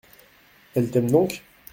Elle t'aime donc ?